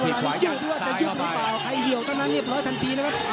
พี่ชิชชัยก็จะยุ่งหรือเปล่าใครเหี่ยวตั้งนั้นเนี้ยพอร้อยทันทีนะครับ